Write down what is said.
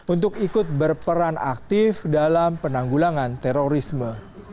untuk ikut berperan aktif dalam penanggulangan terorisme